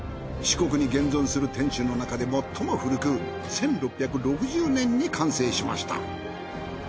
四国に現存する天守の中で最も古く１６６０年に完成しました。